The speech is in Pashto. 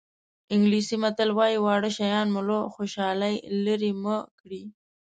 انګلیسي متل وایي واړه شیان مو له خوشحالۍ لرې مه کړي.